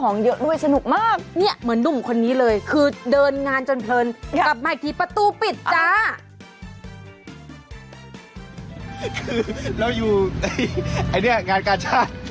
เนี้ยเหมือนหนุ่มคนนี้เลยเนี้ยคือเดินงานจนเพลินเดินมาอีกทีประตูปิดตรงจ้า